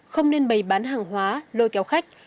không nên bày bán hàng hóa lôi kéo khách